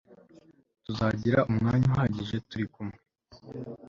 tuzagira umwanya uhagije hamwe